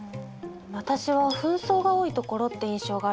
私は紛争が多いところって印象があります。